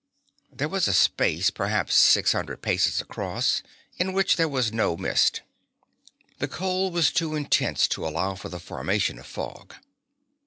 There was a space, perhaps six hundred paces across, in which there was no mist. The cold was too intense to allow of the formation of fog.